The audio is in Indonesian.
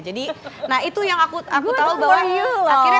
jadi nah itu yang aku tahu bahwa akhirnya ketika aku